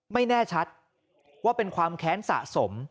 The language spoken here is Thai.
ไม่แน่ชัดว่าเป็นความแค้นสะสม